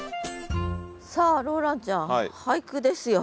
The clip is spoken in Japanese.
さあローランちゃん俳句ですよ。